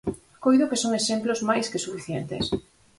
Coido que son exemplos máis que suficientes.